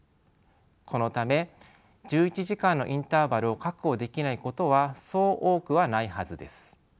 このため１１時間のインターバルを確保できないことはそう多くはないはずです。